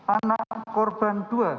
anak korban enam